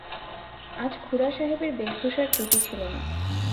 আজ খুড়াসাহেবের বেশভূষার ত্রুটি ছিল না।